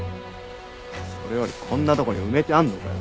それよりこんなとこに埋めてあんのかよ